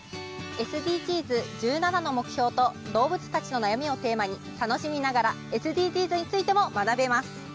ＳＤＧｓ１７の目標と動物たちの悩みをテーマに楽しみながらＳＤＧｓについても学べます。